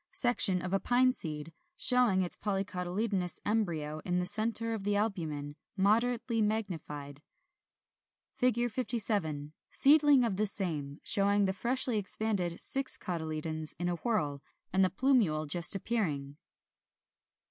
56. Section of a Pine seed, showing its polycotyledonous embryo in the centre of the albumen, moderately magnified. 57. Seedling of same, showing the freshly expanded six cotyledons in a whorl, and the plumule just appearing.